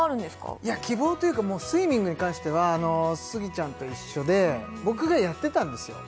いや希望というかスイミングに関してはスギちゃんと一緒で僕がやってたんですよ